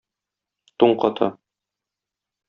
Туң ката.